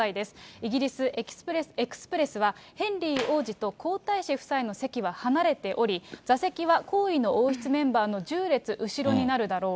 イギリスエクスプレスは、ヘンリー王子と皇太子夫妻の席は離れており、座席はこういの王室メンバーの１０列後ろになるだろう。